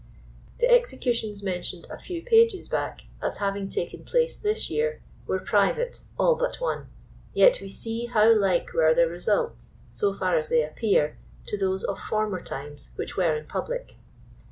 The exe cutions mentioned a few pages back as having taken place this year, were private, all but one, yet we see how like were their results, so far as they appear, to those of former times which were in public.